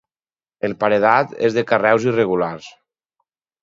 El paredat és de carreus irregulars.